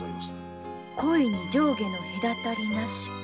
恋に上下のへだたりなし。